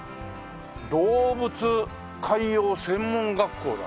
「動物海洋専門学校」だ。